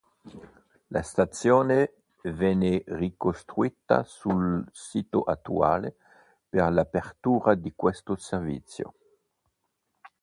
La stazione venne ricostruita sul sito attuale per l'apertura di questo servizio.